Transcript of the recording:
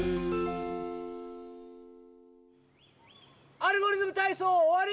「アルゴリズムたいそう」おわり！